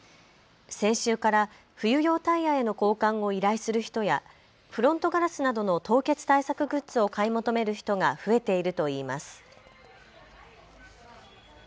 先週から冬用タイヤへの交換を依頼する人やフロントガラスなどの凍結対策グッズを買い求める人が増えているといいます。